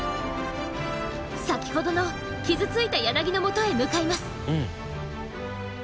先ほどの傷ついたヤナギのもとへ向かいます。